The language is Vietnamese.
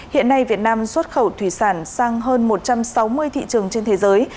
hiện nay việt nam xuất khẩu thủy sản sang hơn một trăm sáu mươi thị trường trên thế giới